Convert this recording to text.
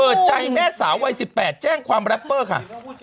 ใจแม่สาววัย๑๘แจ้งความแรปเปอร์ค่ะ